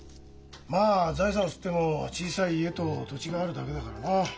まあ財産っつっても小さい家と土地があるだけだからな。